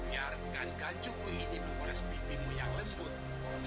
dia menjadi setara seperti orang yang sangat berusaha